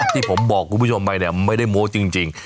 ที่ผมบอกคุณผู้ชมไปเนี่ยไม่ได้โม้จริง